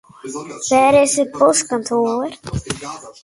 Wêr is it postkantoar?